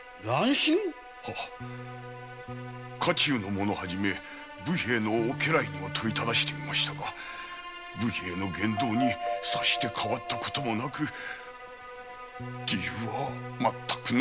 家中の者を初め武兵衛の家来にも問い質してみましたが武兵衛の言動にさして変わったこともなく理由は全くの不明。